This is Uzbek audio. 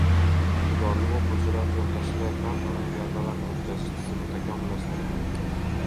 Iqtidorli o‘quvchilar o‘rtasida fan olimpiadalarini o‘tkazish tizimi takomillashtiriladi